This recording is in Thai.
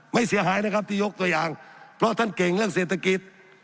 เสียหายนะครับที่ยกตัวอย่างเพราะท่านเก่งเรื่องเศรษฐกิจ